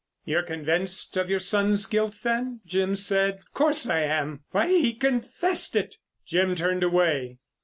"You're convinced of your son's guilt, then?" Jim said. "Of course I am. Why, he confessed it!" Jim turned away.